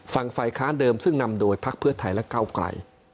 ฝั่งฝ่ายค้านเดิมซึ่งนำโดยภักดิ์เพื่อไทยและเก้าไกร